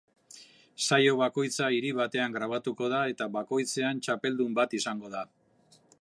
Saio bakoitza hiri batean grabatuko da eta bakoitzean txapeldun bat izango da.